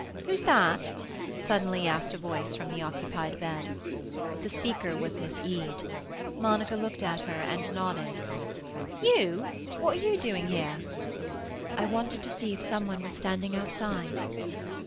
"Who's that?" suddenly asked a voice from the occupied bed. The speaker was Miss Eade. Monica looked at her, and nodded. "You? What are you doing here?" "I wanted to see if some one was standing outside."